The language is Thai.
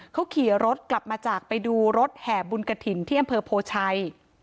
เขาขี่รถกลับมาจากไปดูรถแห่บุญกระถิ่นที่อำเภอโพชัย